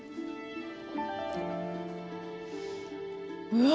うわ！